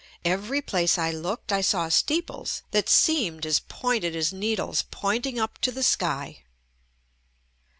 Every place I looked I saw steeples, that seemed as pointed as needles, pointing up to the sky.